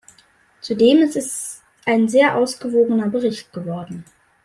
Zudem ist es ein sehr ausgewogener Bericht geworden.